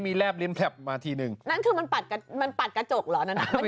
มีแบบลิ้นแคบมาทีนึงนั่นคือมันปัดมันปัดกระจกเหรอนั้น